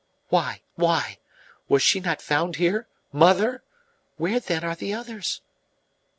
"Why? Why? Was she not found here mother? Where, then, are the others?"